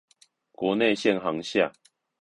國內線航廈